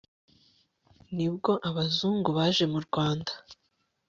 ni bwo abazungu baje mu rwanda